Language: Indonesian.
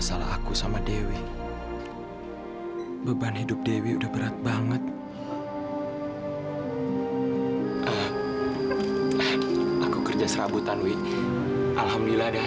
sampai jumpa di video selanjutnya